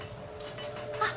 あっ。